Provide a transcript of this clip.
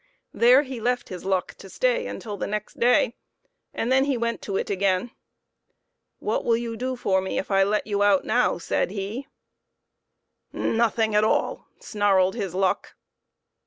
There he left his luck to stay until the next day, and then he went to it again. " What will you do for me if I will let you out now ?" said he= " Nothing at all," snarled his luck.